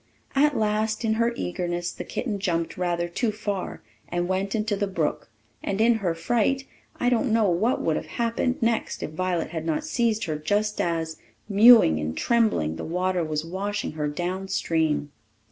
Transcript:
At last, in her eagerness, the kitten jumped rather too far, and went into the brook; and in her fright I don't know what would have happened next if Violet had not seized her just as, mewing and trembling, the water was washing her down stream.